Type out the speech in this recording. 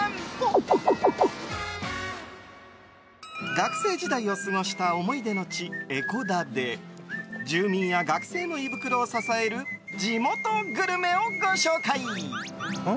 学生時代を過ごした思い出の地、江古田で住民や学生の胃袋を支える地元グルメをご紹介。